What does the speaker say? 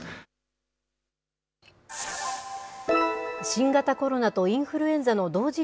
新型コロナとインフルエンザの同時